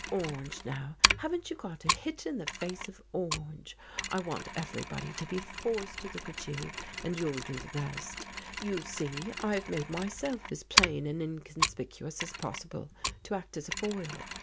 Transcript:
Orange, now — haven't you got a hit in the face of orange ? I want everybody to be forced to look at you, and you'll do the rest. You see I have made myself as plain and inconspicuous as possible, to act as a foil.